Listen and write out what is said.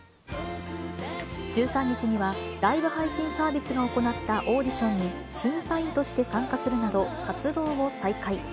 １３日には、ライブ配信サービスが行ったオーディションに審査員として参加するなど、活動を再開。